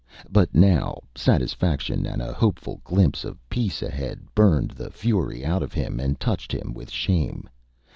But now, satisfaction, and a hopeful glimpse of peace ahead, burned the fury out of him and touched him with shame.